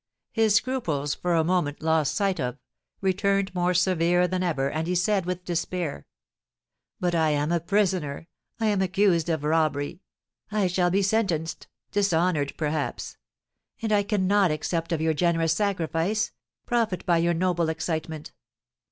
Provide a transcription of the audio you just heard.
His scruples, for a moment lost sight of, returned more severe than ever, and he said, with despair: "But I am a prisoner I am accused of robbery; I shall be sentenced dishonoured, perhaps! And I cannot accept of your generous sacrifice profit by your noble excitement.